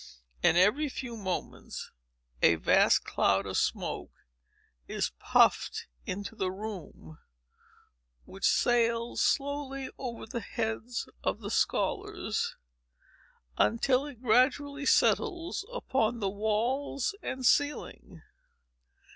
And every few moments, a vast cloud of smoke is puffed into the room, which sails slowly over the heads of the scholars, until it gradually settles upon the walls and ceiling.